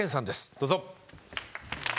どうぞ。